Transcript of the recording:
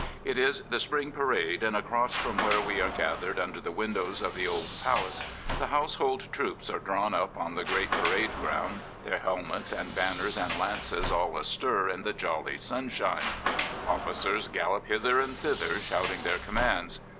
It is the Spring Parade, and across from where we are gathered under the windows of the old palace the household troops are drawn up on the great parade ground, their helmets and banners and lances all astir in the jolly sunshine, Ofi&cers gallop hither and thither shouting their commands.